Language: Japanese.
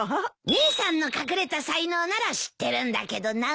姉さんの隠れた才能なら知ってるんだけどな。